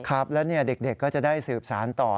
ครับแล้วเด็กก็จะได้สืบสารต่อ